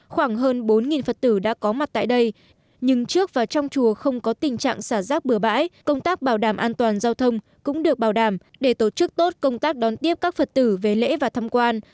khoảng hơn bốn phật tử đã có mặt tại đây nhưng trước và trong chùa không có tình trạng xả rác bừa bãi công tác bảo đảm an toàn giao thông cũng được bảo đảm để tổ chức tốt công tác đón tiếp các phật tử về lễ và thăm quan